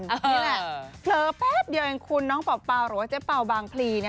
นี่แหละเผลอแป๊บเดียวเองคุณน้องเป่าหรือว่าเจ๊เป่าบางพลี